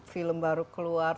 film baru keluar